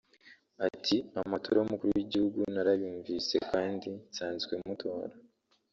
Ati “Amatora y’Umukuru w’Igihugu narayumvise kandi nsanzwe mutora